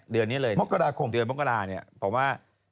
เพราะว่า